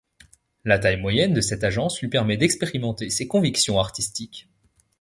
La taille moyenne de cette agence lui permet d'expérimenter ses convictions artistiques.